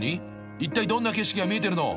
［いったいどんな景色が見えてるの？